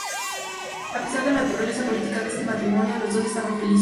A pesar de la naturaleza política de este matrimonio, los dos estaban felices.